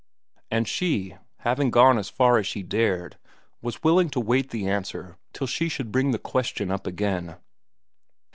And she, having gone as far as she dared, was willing to wait the answer till she should bring the question up again.